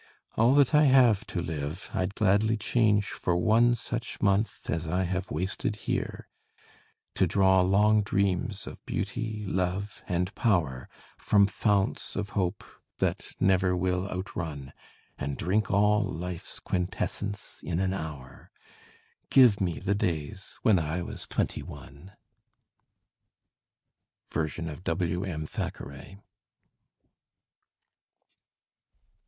All that I have to live I'd gladly change For one such month as I have wasted here To draw long dreams of beauty, love, and power, From founts of hope that never will outrun, And drink all life's quintessence in an hour: Give me the days when I was twenty one. Version of W.M. Thackeray.